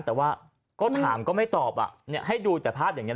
แต่ว่าก็ถามก็ไม่ตอบให้ดูแต่ภาพอย่างนี้